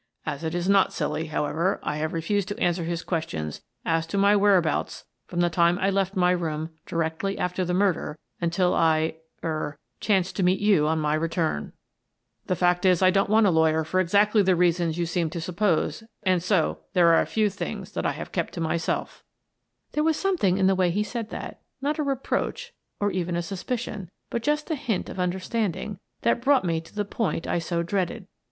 As it is not silly, however, I have refused to answer his questions as to my whereabouts from the time I left my room, directly after the murder, until I — er — chanced to meet you on my return. In the Jail 159 The fact is, I don't want a lawyer for exactly the reasons you seem to suppose, and so there are a few things that I have kept to myself," There was something in the way he said that — not a reproach, or even a suspicion, but just a hint of understanding — that brought me to the point I so dreaded.